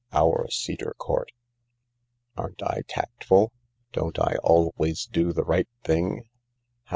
Our Cedar Court. Aren't I tactful ? Don't I always do the right thing